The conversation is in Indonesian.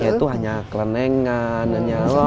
ya itu hanya kelenengan nanyawa tradisional dan lain sebagainya